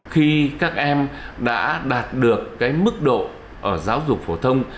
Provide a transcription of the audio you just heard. khi các em đã đạt được cái mức độ giáo dục phổ thông